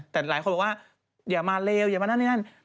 แต่หลายคนบอกว่าอย่ามาเลวอย่ามานั่นนี่นั่น